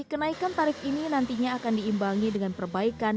kenaikan tarif ini nantinya akan diimbangi dengan perbaikan